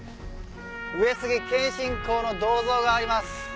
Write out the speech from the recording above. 上杉謙信公の銅像があります。